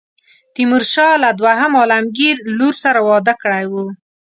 تیمورشاه له دوهم عالمګیر لور سره واده کړی وو.